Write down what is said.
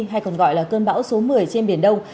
hay còn gọi là cơn bão số một mươi trên biển đông